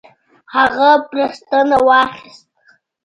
هغه بړستنه واخیست.